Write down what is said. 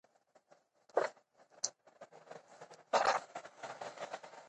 بهرنۍ تجربې د مطالعې له لارې رامنځته کېږي.